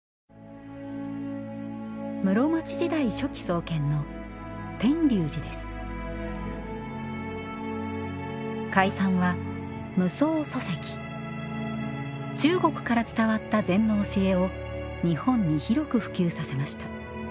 室町時代初期創建の開山は中国から伝わった禅の教えを日本に広く普及させました。